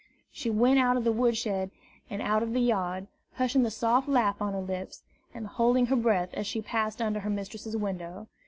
She went out of the wood shed and out of the yard, hushing the soft laugh on her lips, and holding her breath as she passed under her mistress's window.